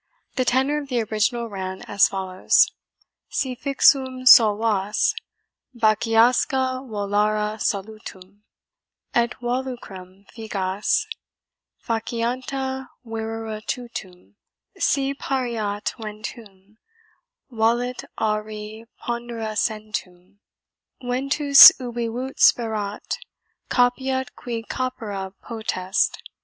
The tenor of the original ran as follows: "Si fixum solvas, faciasque volare solutum, Et volucrem figas, facient te vivere tutum; Si pariat ventum, valet auri pondere centum; Ventus ubi vult spirat Capiat qui capere potest."